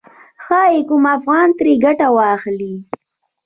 ښايي کوم افغان ترې ګټه واخلي.